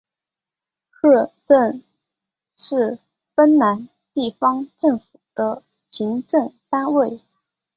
市镇是芬兰地方政府的行政单位。